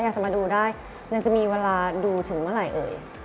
อยากจะมาดูได้มันจะมีเวลาดูถึงเมื่อไหร่เอ่ย